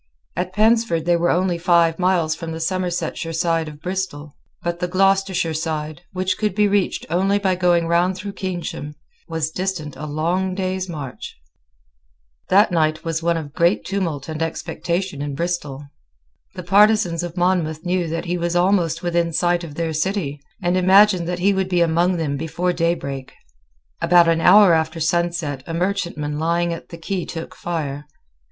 At Pensford they were only five miles from the Somersetshire side of Bristol; but the Gloucestershire side, which could be reached only by going round through Keynsham, was distant a long day's march. That night was one of great tumult and expectation in Bristol. The partisans of Monmouth knew that he was almost within sight of their city, and imagined that he would be among them before daybreak. About an hour after sunset a merchantman lying at the quay took fire.